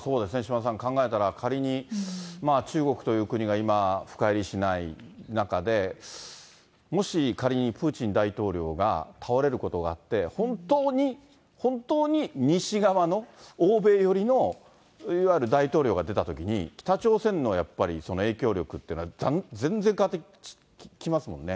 島田さん、仮に、中国という国が今、深入りしない中で、もし仮にプーチン大統領が、倒れることがあって、本当に、本当に西側の、欧米寄りのいわゆる大統領が出たときに、北朝鮮のやっぱり影響力っていうのは、全然変わってきますもんね。